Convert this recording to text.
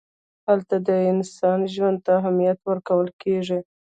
هلته د انسان ژوند ته اهمیت ورکول کېږي.